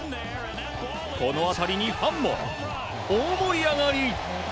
この当たりにファンも大盛り上がり。